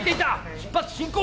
出発進行！